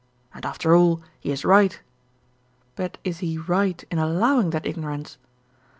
And after all, he is right. But is he right in allowing that ignorance?